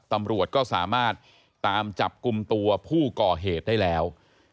ตำรวจก็สามารถตามจับกลุ่มตัวผู้ก่อเหตุได้แล้ว